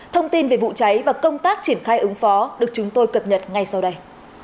thông tin về vụ cháy và công tác triển khai ứng phó được chúng tôi cập nhật ngay sau đây